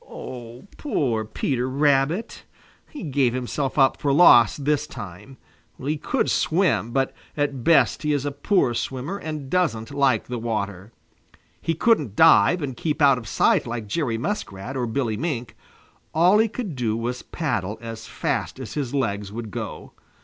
Poor Peter Rabbit! He gave himself up for lost this time. He could swim, but at best he is a poor swimmer and doesn't like the water. He couldn't dive and keep out of sight like Jerry Muskrat or Billy Mink. All he could do was to paddle as fast as his legs would go.